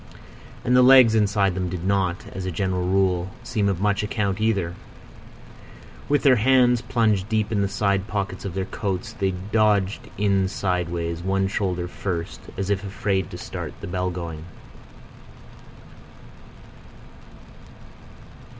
And the legs inside them did not, as a general rule, seem of much account either. With their hands plunged deep in the side pockets of their coats, they dodged in sideways, one shoulder first, as if afraid to start the bell going.